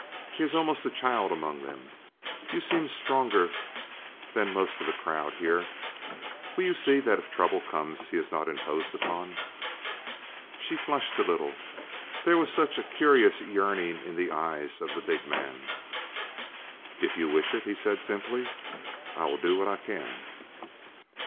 He is almost a child among them. You seem stronger than most of the crowd here. Will you see that if trouble comes he is not imposed upon?" She flushed a little, there was such a curious yearning in the eyes of the big man. "If you wish it," he said simply, "I will do what I can."